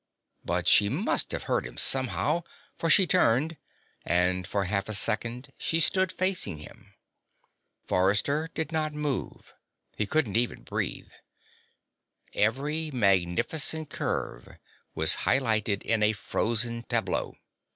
But she must have heard him somehow, for she turned, and for half a second she stood facing him. Forrester did not move. He couldn't even breathe. Every magnificent curve was highlighted in a frozen tableau.